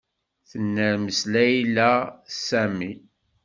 Tennermes Layla Sami.